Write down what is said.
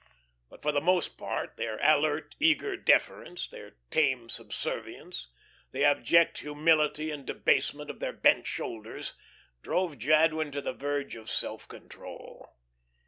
But for the most part their alert, eager deference, their tame subservience, the abject humility and debasement of their bent shoulders drove Jadwin to the verge of self control.